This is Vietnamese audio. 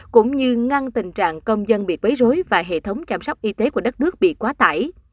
cũng như ngăn tình trạng công dân bị bấy rối và hệ thống chăm sóc y tế của đất nước bị quá tải